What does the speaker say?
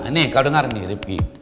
nih kau dengar nih ripki